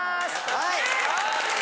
はい。